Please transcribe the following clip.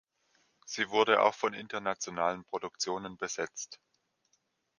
Sie wurde auch von internationalen Produktionen besetzt.